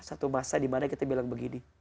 satu masa dimana kita bilang begini